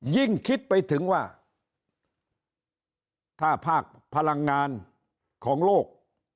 ยิ่งคิดไปถึงว่าถ้าภาคพลังงานของโลก